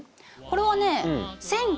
これはね